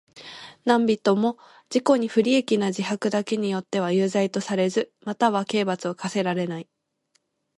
何人（なんびと）も自己に不利益な自白だけによっては有罪とされず、または刑罰を科せられない。